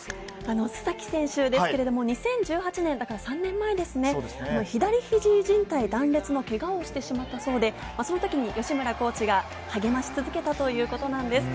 須崎選手、２０１８年、３年前ですね、左肘靭帯断裂のけがをしてしまったそうで、その時に吉村コーチが励まし続けたということです。